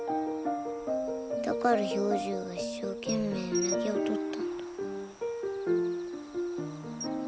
だから兵十は一生懸命うなぎをとったんだ。